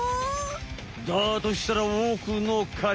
だとしたらおくのかち。